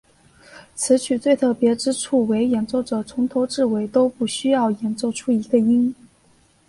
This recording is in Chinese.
此曲最特别之处为演奏者从头至尾都不需要演奏出一个音。